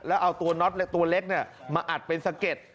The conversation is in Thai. แล้วเอาตัวน็อตตัวเล็กมาอัดเป็นสะเก็ด